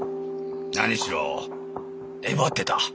何しろえばってた。